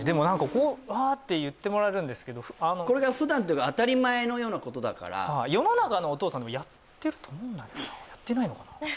何かこうワーッて言ってもらえるんですけどこれが普段っていうか当たり前のようなことだから世の中のお父さんもやってると思うんだけどなやってないのかな